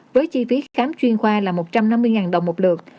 với chi phí khám chuyên khoa là một trăm năm mươi đồng một lượt